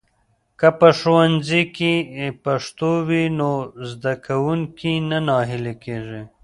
که په ښوونځي کې پښتو وي، نو زده کوونکي نه ناهيلي کېږي.